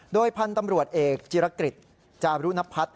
โดยพันธุ์ตำรวจเอกจิรกฤษจารุณพัฒน์